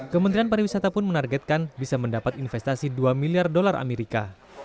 kementerian pariwisata pun menargetkan bisa mendapat investasi dua miliar dolar amerika